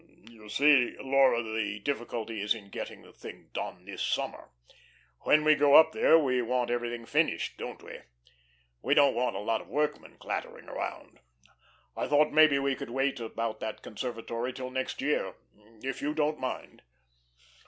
"You see, Laura, the difficulty is in getting the thing done this summer. When we go up there we want everything finished, don't we? We don't want a lot of workmen clattering around. I thought maybe we could wait about that conservatory till next year, if you didn't mind."